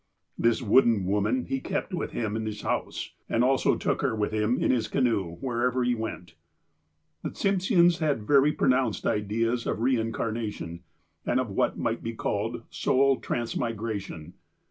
*' This wooden woman he kept with him in his house, and also took her with him in his canoe wherever he went." The Tsimsheans had very pronounced ideas of reincar nation, and of what might be called soul transmigration.